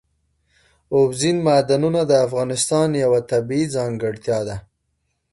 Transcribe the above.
اوبزین معدنونه د افغانستان یوه طبیعي ځانګړتیا ده.